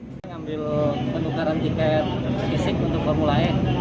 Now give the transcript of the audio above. saya ngambil penukaran tiket fisik untuk formula e